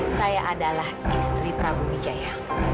saya adalah istri prabu wijaya